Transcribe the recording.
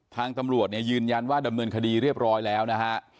ทางตำรวจเนี่ยยืนยันว่าดำเนินคดีเรียบร้อยแล้วนะฮะ